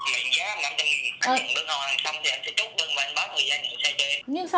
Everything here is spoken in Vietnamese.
mình giá mà anh đừng bưng vào hàng xong thì em sẽ trúc bưng vào anh báo người ra những xe chơi